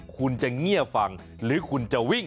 คุณจะเงียบฟังหรือคุณจะวิ่ง